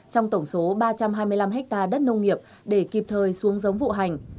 trong tổng số ba trăm hai mươi năm ha đất nông nghiệp để kịp thời xuống giống vụ hành